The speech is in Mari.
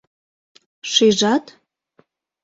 Шижат?